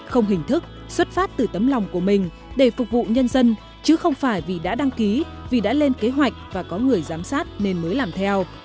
không hình thức xuất phát từ tấm lòng của mình để phục vụ nhân dân chứ không phải vì đã đăng ký vì đã lên kế hoạch và có người giám sát nên mới làm theo